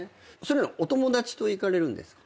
お友達と行かれるんですか？